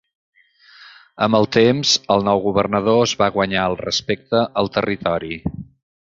Amb el temps, el nou governador es va guanyar el respecte al territori.